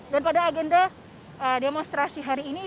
dan pada agenda demonstrasi hari ini